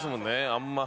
あんま。